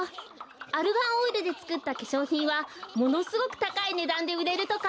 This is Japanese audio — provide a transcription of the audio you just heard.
アルガンオイルでつくったけしょうひんはものすごくたかいねだんでうれるとか。